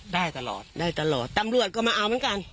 ได้ตลอดได้ตลอดตำรวจก็มาเอาเหมือนกัน